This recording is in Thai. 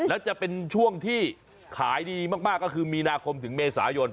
แล้วจะเป็นช่วงที่ขายดีมากก็คือมีนาคมถึงเมษายน